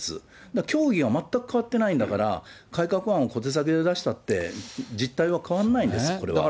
だから教義が全く変わってないんだから、改革案を小手先で出したって、実態は変わらないんです、これは。